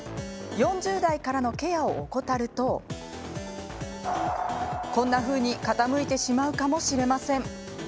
４０代からのケアを怠るとこんなふうに傾いてしまうかもしれません。